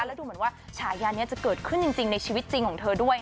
แล้วดูเหมือนว่าฉายานี้จะเกิดขึ้นจริงในชีวิตจริงของเธอด้วย